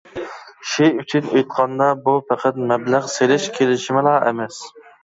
شى ئۈچۈن ئېيتقاندا، بۇ پەقەت مەبلەغ سېلىش كېلىشىمىلا ئەمەس .